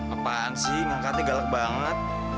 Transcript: apaan sih ngangkatnya galak banget